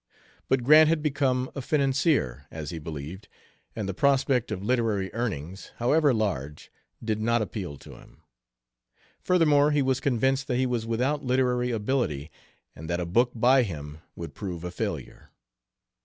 But Grant had become a financier, as he believed, and the prospect of literary earnings, however large, did not appeal to him. Furthermore, he was convinced that he was without literary ability and that a book by him would prove a failure.